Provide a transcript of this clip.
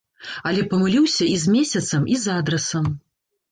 Але памыліўся і з месяцам, і з адрасам.